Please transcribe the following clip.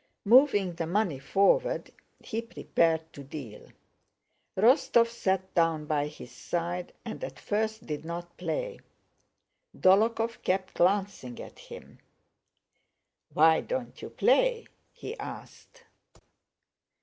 Moving the money forward he prepared to deal. Rostóv sat down by his side and at first did not play. Dólokhov kept glancing at him. "Why don't you play?" he asked.